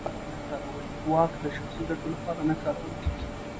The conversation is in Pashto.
واک د شخصي ګټو لپاره نه کارول کېږي.